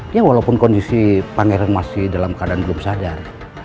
ya walaupun kondisi pangeran masih dalam keadaan belum sadar